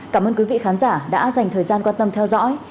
cảm ơn quý vị khán giả đã dành thời gian quan tâm theo dõi